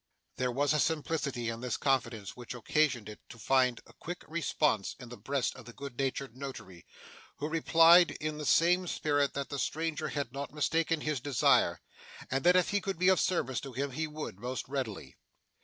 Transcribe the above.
There was a simplicity in this confidence which occasioned it to find a quick response in the breast of the good natured Notary, who replied, in the same spirit, that the stranger had not mistaken his desire, and that if he could be of service to him, he would, most readily.